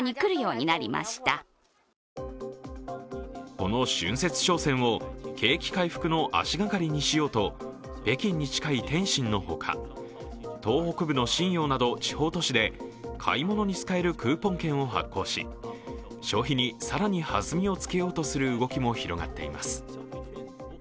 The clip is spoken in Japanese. この春節商戦を景気回復の足がかりにしようと、北京に近い天津のほか、東北部の瀋陽など地方都市で買い物に使えるクーポン券を発行し消費に更にはずみをつけようとする動きも広がっています。